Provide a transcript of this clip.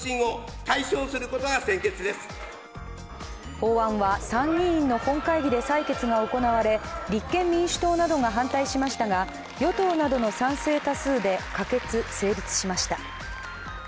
法案は、参議院の本会議で採決が行われ、立憲民主党などが反対しましたが与党などの賛成多数で可決・成立しました。